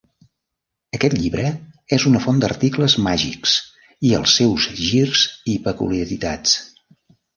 Aquest llibre és una font d'articles màgics i els seus girs i peculiaritats.